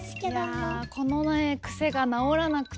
いやこのね癖が直らなくて。